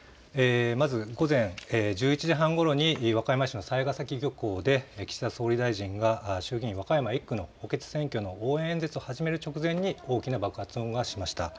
まず午前１１時半ごろに和歌山市の雑賀崎漁港で岸田総理大臣が衆議院和歌山１区の補欠選挙の応援演説を始める直前に大きな爆発音がしました。